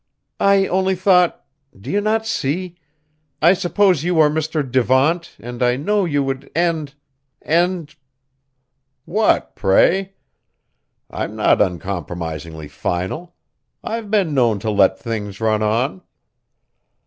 "I only thought do you not see? I suppose you are Mr. Devant and I knew you would end end " "What, pray? I'm not uncompromisingly final. I've been known to let things run on."